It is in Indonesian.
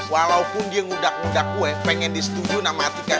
walaupun dia ngudak ngudak gue pengen disetujui nama atika